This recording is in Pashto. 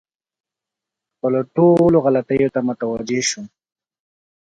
خپلو ټولو غلطیو ته متوجه شوم.